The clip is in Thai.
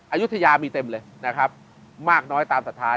อายุทยามีเต็มเลยนะครับมากน้อยตามศรัทธา